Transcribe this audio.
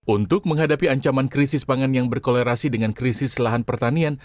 untuk menghadapi ancaman krisis pangan yang berkolerasi dengan krisis lahan pertanian